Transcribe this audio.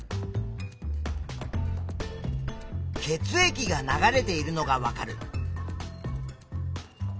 血液が流れているのがわかる。